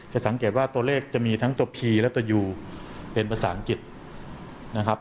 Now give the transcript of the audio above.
สังเกตว่าตัวเลขจะมีทั้งตัวพีและตัวยูเป็นภาษาอังกฤษนะครับ